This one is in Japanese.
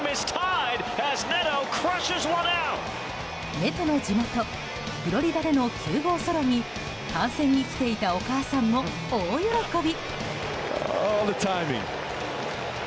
ネトの地元フロリダでの９号ソロに観戦に来ていたお母さんも大喜び！